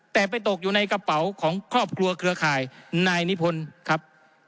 แต่ไปตกอยู่ในกระเป๋าของครอบครัวเครือข่ายนายนิพนธ์ครับ